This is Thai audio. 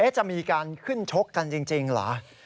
จะมีการขึ้นชกกันจริงเหรอ